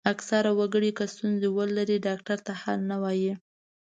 اکثره وګړي که ستونزه ولري ډاکټر ته حال نه وايي.